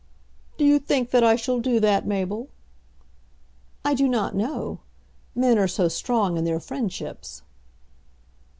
"Do you think that I shall do that, Mabel?" "I do not know. Men are so strong in their friendships."